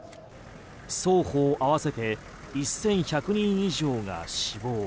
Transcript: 双方合わせて１１００人以上が死亡。